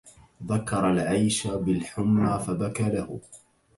ذكر العيش بالحمى فبكى له